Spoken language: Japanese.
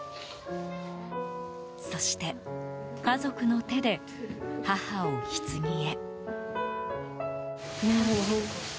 そして、家族の手で母をひつぎへ。